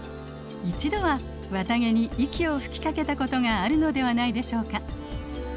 一度は綿毛に息を吹きかけたことがあるのではないでしょうか。